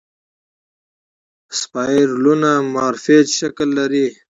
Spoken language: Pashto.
اسپایرلونه مارپیچ شکل لري.